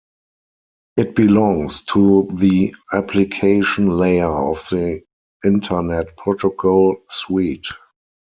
It belongs to the application layer of the Internet protocol suite.